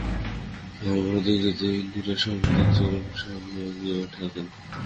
ধর্মের এই দিকটিতে হিন্দুরাই সর্বদা চরম সীমায় গিয়া থাকেন।